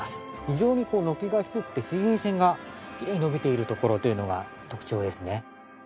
非常に軒が低くて水平線がきれいに伸びているところというのが特徴ですね。